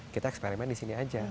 kita eksperimen di sini aja